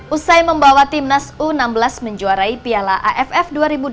usai membawa timnas u enam belas menjuarai piala aff dua ribu delapan belas